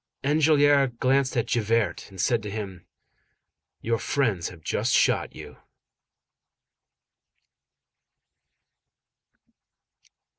Enjolras glanced at Javert, and said to him:— "Your friends have just shot you."